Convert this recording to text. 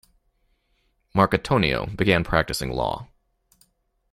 Marcatonio began practicing law.